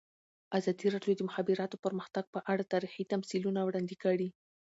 ازادي راډیو د د مخابراتو پرمختګ په اړه تاریخي تمثیلونه وړاندې کړي.